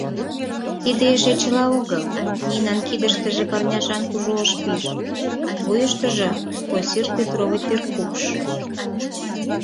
Тиде эше чыла огыл: Нинан кидыштыже парняшан кужу ош пиж, вуйыштыжо косир фетровый теркупш.